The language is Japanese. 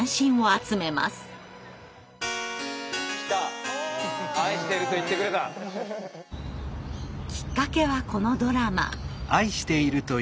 きっかけはこのドラマ。